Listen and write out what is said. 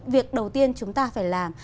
việc đầu tiên chúng ta phải làm